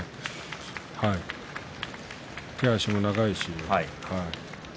手足も長いし。